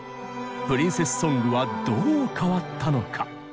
プリンセスソングはどう変わったのか。